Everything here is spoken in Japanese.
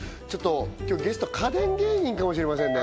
今日ゲスト家電芸人かもしれませんね